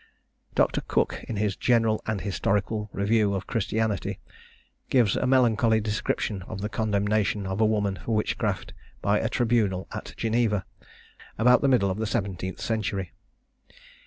Dr. Cook, in his General and Historical Review of Christianity, gives a melancholy description of the condemnation of a woman for witchcraft, by a tribunal at Geneva, about the middle of the seventeenth century.